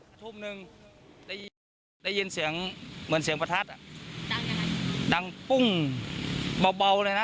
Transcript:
ในทุ่ปหนึ่งได้ยินเหมือนเสียงป฀าชอ่ะดังพุ่งเบาเปล่าเลยนะ